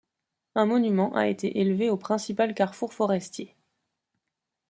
Un monument a été élevé au principal carrefour forrestier.